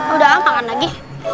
udah apa kan lagi